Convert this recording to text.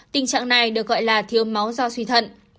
tình trạng này được gọi là thiếu máu do suy thận